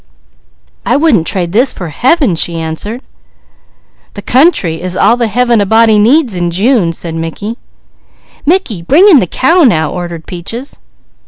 "I wouldn't trade this for Heaven!" she answered. "The country is all the Heaven a body needs, in June." "Mickey, bring in the cow now!" ordered Peaches.